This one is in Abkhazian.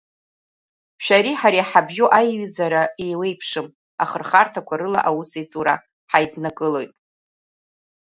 Шәареи ҳареи иҳабжьоу аиҩызареи еиуеиԥшым ахырхарҭақәа рыла аусеицуреи ҳаиднакылоит.